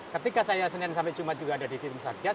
ketika saya senin sampai jumat juga ada di tim satgas